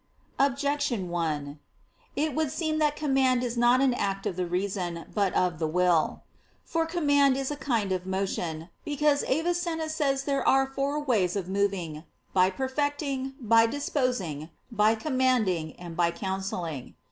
Objection 1: It would seem that command is not an act of the reason but of the will. For command is a kind of motion; because Avicenna says that there are four ways of moving, "by perfecting, by disposing, by commanding, and by counselling."